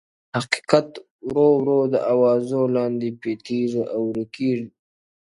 o حقيقت ورو ورو د اوازو لاندي پټيږي او ورکيږي,